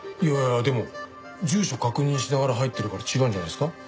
いやいやでも住所確認しながら入ってるから違うんじゃないですか？